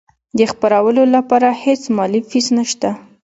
د خپرولو لپاره هیڅ مالي فیس نشته.